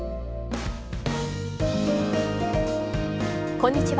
こんにちは。